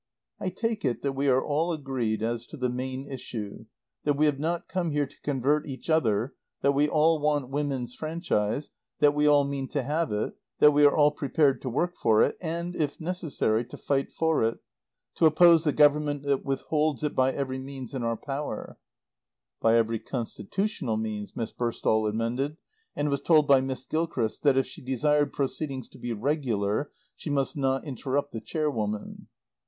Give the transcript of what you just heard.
"I take it that we are all agreed as to the main issue, that we have not come here to convert each other, that we all want Women's Franchise, that we all mean to have it, that we are all prepared to work for it, and, if necessary, to fight for it, to oppose the Government that withholds it by every means in our power " "By every constitutional means," Miss Burstall amended, and was told by Miss Gilchrist that, if she desired proceedings to be regular, she must not interrupt the Chairwoman.